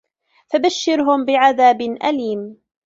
فَبَشِّرهُم بِعَذابٍ أَليمٍ